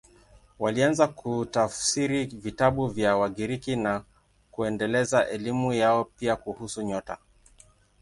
Walianza kutafsiri vitabu vya Wagiriki na kuendeleza elimu yao, pia kuhusu nyota.